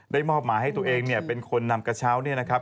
มอบหมายให้ตัวเองเนี่ยเป็นคนนำกระเช้าเนี่ยนะครับ